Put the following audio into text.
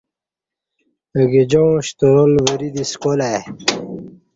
اگہ جاعں شترال وری دی سکال ای